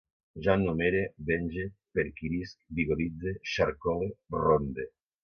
Jo numere, venge, perquirisc, vigoritze, xarcole, ronde